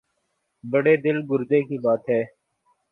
بڑے دل گردے کی بات ہے۔